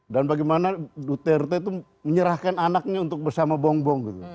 dan bagaimana duterte itu menyerahkan anaknya untuk bersama bongbong gitu